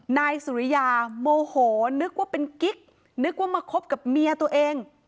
นายสุริยาโมโหนึกว่าเป็นกิ๊กนึกว่ามาคบกับเมียตัวเอง